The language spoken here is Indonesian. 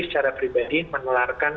secara pribadi menelarkan